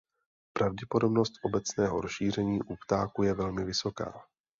Pravděpodobnost obecného rozšíření u ptáků je velmi vysoká.